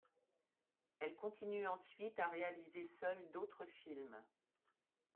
Elle continue ensuite à réaliser seule d'autres films.